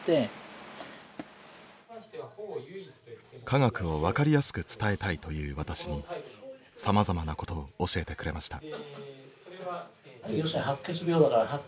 科学を分かりやすく伝えたいという私にさまざまなことを教えてくれました。